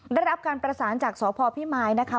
ได้รับการประสานจากสพพิมายนะคะ